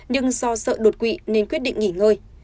nhưng do sợ đột quỵ nên quyết định nghỉ ngơi